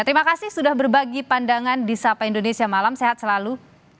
terima kasih sudah berbagi pandangan di sapa indonesia malam sehat selalu